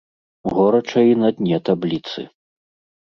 Горача і на дне табліцы.